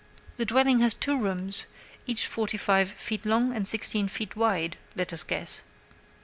The dwelling has two rooms each forty five feet long and sixteen feet wide, let us guess.